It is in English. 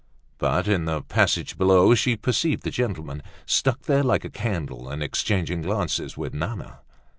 But in the passage below she perceived the gentleman, stuck there like a candle and exchanging glances with Nana.